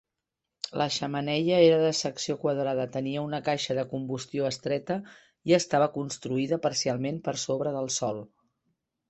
La xemeneia era de secció quadrada, tenia una caixa de combustió estreta i estava construïda parcialment per sobre del sòl.